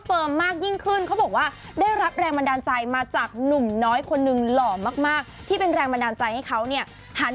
เฟิร์มมากยิ่งขึ้นเขาบอกว่าได้รับแรงบันดาลใจมาจากหนุ่มน้อยคนหนึ่งหล่อมากที่เป็นแรงบันดาลใจให้เขาเนี่ยหัน